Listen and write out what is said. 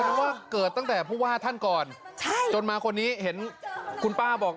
เพราะว่าเกิดตั้งแต่ผู้ว่าท่านก่อนใช่จนมาคนนี้เห็นคุณป้าบอก